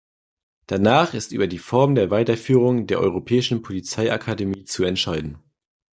Danach ist über die Form der Weiterführung der Europäischen Polizeiakademie zu entscheiden.